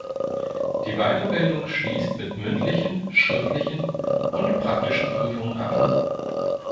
Die Weiterbildung schließt mit mündlichen, schriftlichen und praktischen Prüfungen ab.